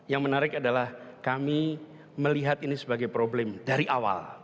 yang menarik adalah kami melihat ini sebagai problem dari awal